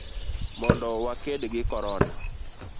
mondo waked gi Corona.